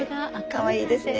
かわいいですね。